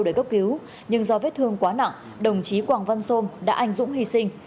để cấp cứu nhưng do vết thương quá nặng đồng chí quảng văn sôm đã anh dũng hy sinh